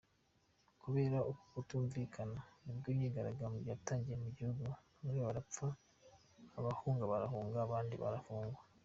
Kubera uku kutumvikana nibwo imyigaragambyo yatangiye mu gihugu, bamwe barapfa, abahunga barahunga, abandi barafungwa.